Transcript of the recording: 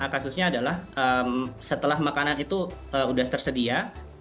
kasusnya adalah setelah makanan itu sudah tersedia